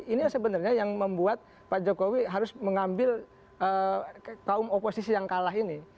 ini sebenarnya yang membuat pak jokowi harus mengambil kaum oposisi yang kalah ini